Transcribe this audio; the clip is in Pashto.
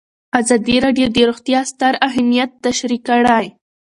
ازادي راډیو د روغتیا ستر اهميت تشریح کړی.